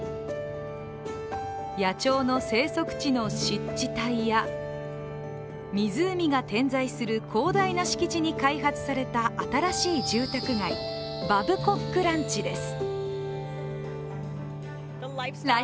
野鳥の生息地の湿地帯や、湖が点在する広大な敷地に開発された新しい住宅街、バブコックランチです。